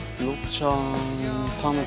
ちゃーん。